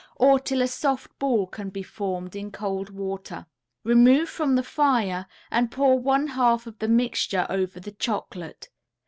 or, till a soft ball can be formed in cold water. Remove from the fire and pour one half of the mixture over the chocolate.